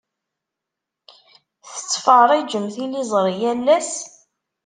Tettferriǧem tiliẓri yal ass?